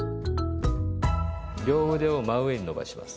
両腕を真上に伸ばします。